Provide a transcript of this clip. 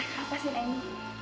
eh kenapa sih naini